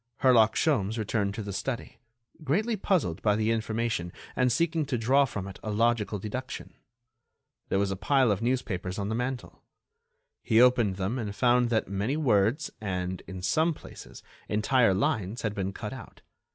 Herlock Sholmes returned to the study, greatly puzzled by the information and seeking to draw from it a logical deduction. There was a pile of newspapers on the mantel. He opened them and found that many words and, in some places, entire lines had been cut out.